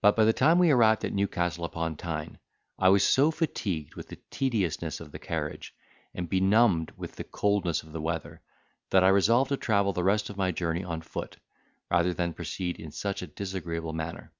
But by the time we arrived at Newcastle upon Tyne I was so fatigued with the tediousness of the carriage, and benumbed with the coldness of the weather, that I resolved to travel the rest of my journey on foot, rather than proceed in such a disagreeable manner.